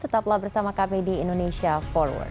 tetaplah bersama kami di indonesia forward